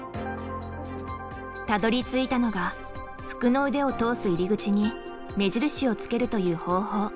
たどりついたのが服の腕を通す入り口に目印をつけるという方法。